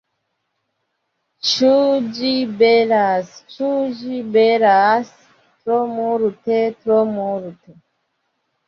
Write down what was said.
Ĉu ĝi belas? Ĉu ĝi belas?... tro multe, tro multe.